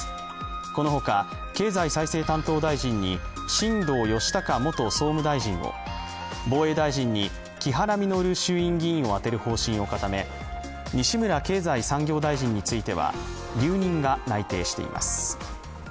このほか、経済再生担当大臣に新藤義孝元総務大臣を、防衛大臣に木原稔衆院議員を充てる方針を固め西村経済産業大臣については留任が内定しています。